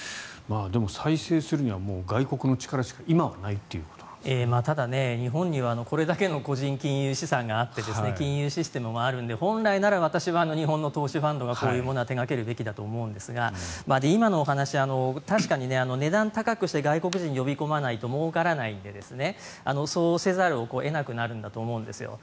でも、再生するには外国の力しかただ日本にはこれだけの個人金融資産があって金融システムもあるので本来なら私は日本の投資ファンドがこういうものは手掛けるべきだと思うんですが今のお話、確かに値段を高くして外国人を呼び込まないともうからないのでそうせざるを得なくなると思うんですよ。